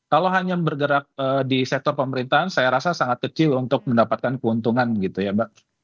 kalau hanya bergerak di sektor pemerintahan saya rasa sangat kecil untuk mendapatkan keuntungan gitu ya mbak